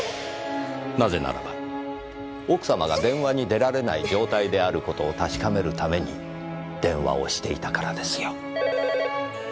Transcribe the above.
なぜならば奥様が電話に出られない状態である事を確かめるために電話をしていたからですよ。